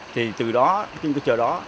thì từ đó trên cái chợ đó